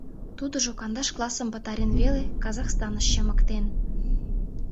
Тудыжо кандаш классым пытарен веле, Казахстаныш чымыктен.